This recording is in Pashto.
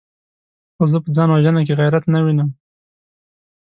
خو زه په ځان وژنه کې غيرت نه وينم!